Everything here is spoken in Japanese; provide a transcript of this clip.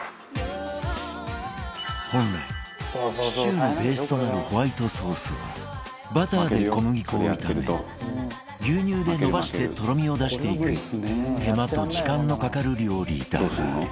本来シチューのベースとなるホワイトソースはバターで小麦粉を炒め牛乳で延ばしてとろみを出していく手間と時間のかかる料理だが